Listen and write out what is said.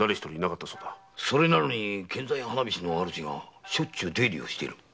それなのに献残屋・花菱の主がしょっちゅう出入りをしている？